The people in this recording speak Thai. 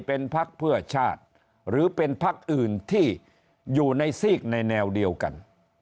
เป็นพักเพื่อชาติหรือเป็นพักอื่นที่อยู่ในซีกในแนวเดียวกัน